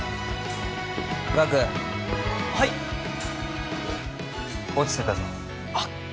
岳はい落ちてたぞあっ